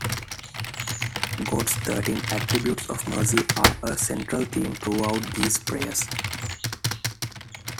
God's Thirteen Attributes of Mercy are a central theme throughout these prayers.